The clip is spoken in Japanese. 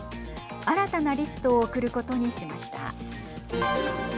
新たなリストを送ることにしました。